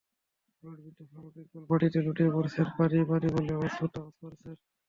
বুলেটবিদ্ধ ফারুক ইকবাল মাটিতে লুটিয়ে পড়েছেন, পানি পানি বলে অস্ফুট আওয়াজ করছেন।